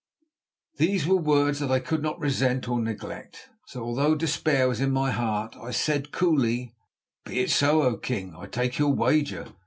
These were words that I could not resent or neglect, so although despair was in my heart, I said coolly: "Be it so, O king. I take your wager.